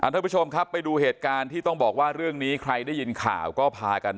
ท่านผู้ชมครับไปดูเหตุการณ์ที่ต้องบอกว่าเรื่องนี้ใครได้ยินข่าวก็พากัน